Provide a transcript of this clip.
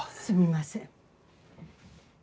すみません。